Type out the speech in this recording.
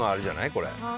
これ。